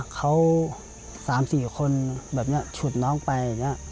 เขา๓๔คนฉุดน้องไป